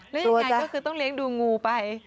แล้วยังไงก็คือต้องเลี้ยงดูงูไป